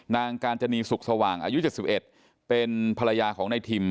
นางกาญจนีสุขสว่างอายุ๗๑เป็นภรรยาของนายทิม